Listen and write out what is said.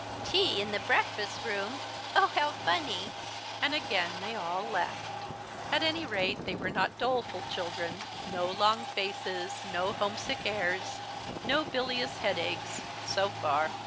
" Tea in the breakfast room ! Oh, how funny !" And again they all laughed. At any rate they were not doleful children — no long faces, no homesick airs, no bilious headaches — so far.